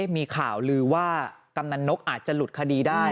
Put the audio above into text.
มีข่าวลือว่ากำนันนกอาจจะหลุดคดีได้